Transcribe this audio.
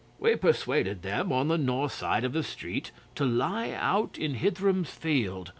'We persuaded them on the north side of the street to lie out in Hitheram's field.